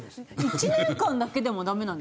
１年間だけでもダメなんですか？